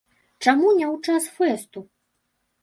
Чаму не ў час фэсту?!